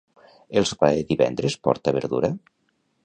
El sopar de divendres porta verdura?